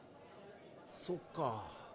そっか。